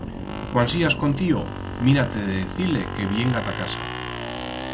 Cuan sías con tío, mira-te de decir-le que vienga ta casa.